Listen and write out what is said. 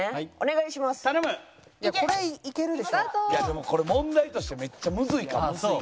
でもこれ問題としてめっちゃむずいかも。